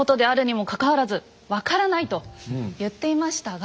と言っていましたが。